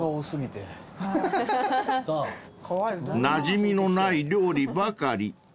［なじみのない料理ばかり。